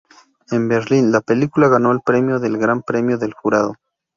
En Berlín, la película ganó el premio del Gran Premio del Jurado.